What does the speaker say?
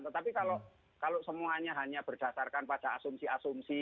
tetapi kalau semuanya hanya berdasarkan pada asumsi asumsi